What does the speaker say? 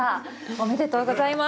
おめでとうございます。